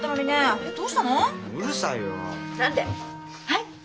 はい？